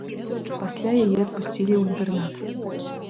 Пасля яе адпусцілі ў інтэрнат.